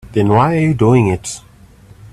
Then why are you doing it?